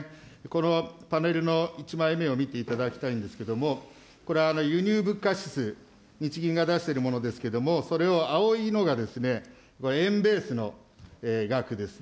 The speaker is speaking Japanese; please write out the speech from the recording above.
このパネルの１枚目を見ていただきたいんですけれども、これは輸入物価指数、日銀が出しているものですけれども、それの青いのが円ベースの額です。